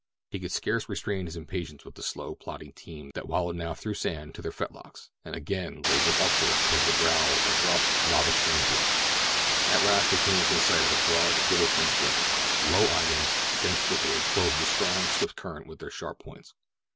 He could scarce restrain his impatience with the slow, plodding team that wallowed now through sand to their fetlocks, and again labored upward toward the brow of a rough, lava strewn bluff. At last they came within sight of a broad, willow fringed river. Low islands, dense thicketed, clove the strong, swift current with their sharp points.